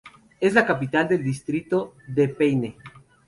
Es la capital del distrito de Peine.